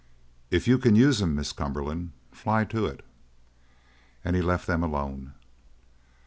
"If you can use him, Miss Cumberland, fly to it!" And he left them alone.